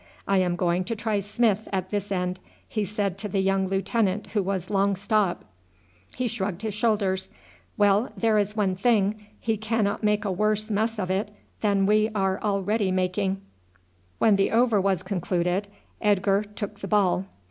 I am going to try Smith at this end," he said to the young lieutenant who was long stop. He shrugged his shoulders. "Well, there is one thing, he cannot make a worse mess of it than we are making already." When the over was concluded, Edgar took the ball.